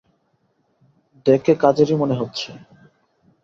দেখে কাজেরই মনে হচ্ছে।